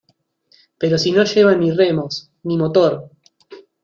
¡ pero si no llevan ni remos, ni motor!